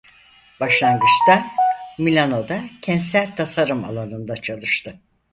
Başlangıçta Milano'da kentsel tasarım alanında çalıştı.